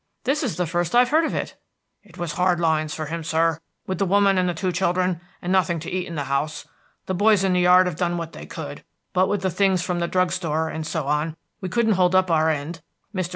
"This is the first I've heard of it." "It was hard lines for him, sir, with the woman and the two children, and nothing to eat in the house. The boys in the yard have done what they could, but with the things from the drug store, and so on, we couldn't hold up our end. Mr.